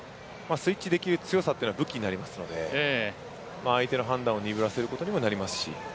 スイッチできる強さは武器になりますので、相手の判断を鈍らせることにもなりますし。